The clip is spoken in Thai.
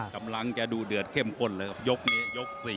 กำลังจะดูเดือดเข้มข้นเลยครับยกนี้ยก๔